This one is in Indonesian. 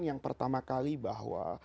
yang pertama kali bahwa